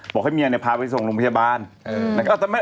บอกให้เมียพาไปส่งลงพยาบาล